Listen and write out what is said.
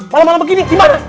malah malah begini gimana